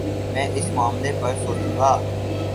میں اس معاملے پر سوچوں گا